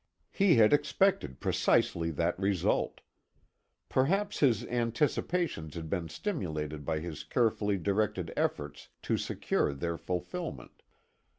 He had expected precisely that result. Perhaps his anticipations had been stimulated by his carefully directed efforts to secure their fulfilment.